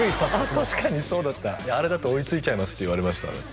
確かにそうだったあれだと追いついちゃいますって言われましたね